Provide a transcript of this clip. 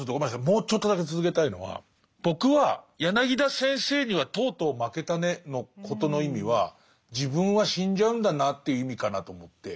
もうちょっとだけ続けたいのは僕は柳田先生にはとうとう負けたねのことの意味は自分は死んじゃうんだなという意味かなと思って。